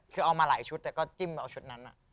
คือเอามาหลายชุดแต่ก็จิ้มเอาชุดนั้น